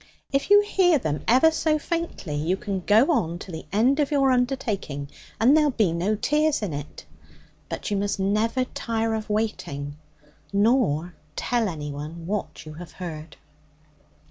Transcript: If you hear them ever so faintly, you can go on to the end of your undertaking, and there'll be no tears in it. But you must never tire of waiting, nor tell anyone what you have heard.